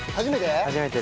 初めて？